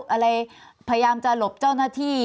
อะไรพยายามจะหลบเจ้าหน้าที่